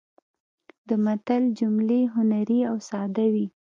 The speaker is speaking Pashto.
د متل جملې هنري او ساده وي